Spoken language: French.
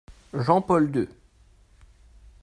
Jean-Paul deux.